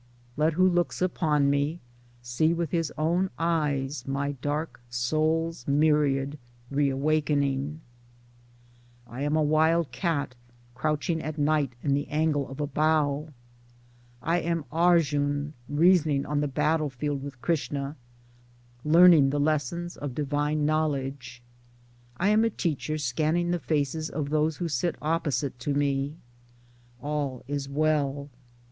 [Let who looks upon me see with his own eyes my dark soul's myriad re awakening.] I am a wild cat crouching at night in the angle of a bough. I am Arjuna reasoning on the battle field with Krishna — learn ing the lessons of divine knowledge. I am a teacher scanning the faces of those who sit opposite to me. All is well.